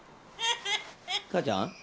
母ちゃん？